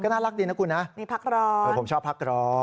น่ารักดีนะคุณนะมีพักร้อนผมชอบพักร้อน